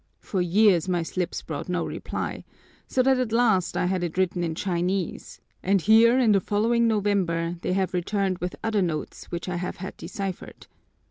For years my slips brought no reply, so that at last I had it written in Chinese and here in the following November they have returned with other notes which I have had deciphered.